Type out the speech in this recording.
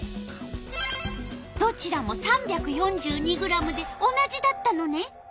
どちらも３４２ｇで同じだったのね。